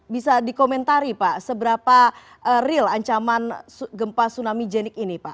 bisa dikomentari pak seberapa real ancaman gempa tsunami jenik ini pak